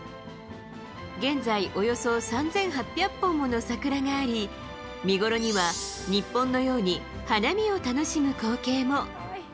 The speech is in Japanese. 現在、およそ３８００本もの桜があり、見頃には日本のように花見を楽しむ光景も。